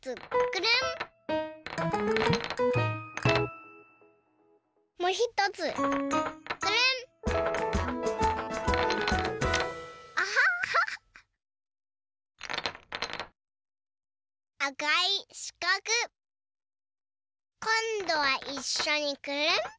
こんどはいっしょにくるん！